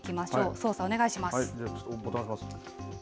操作、お願いします。